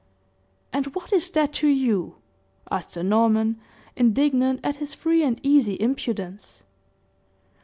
"And what is that to you?" asked Sir Norman, indignant at his free and easy impudence.